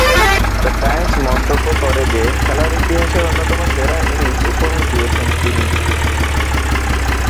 The Times মন্তব্য করে যে, খেলার ইতিহাসের অন্যতম সেরা ইনিংস উপহার দিয়েছেন তিনি।